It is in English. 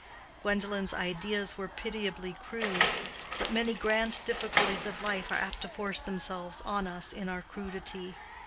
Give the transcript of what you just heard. Gwendolen's ideas were pitiably crude; but many grand difficulties of life are apt to force themselves on us in our crudity.